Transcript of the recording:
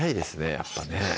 やっぱね